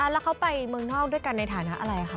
แล้วเขาไปเมืองนอกด้วยกันในฐานะอะไรคะ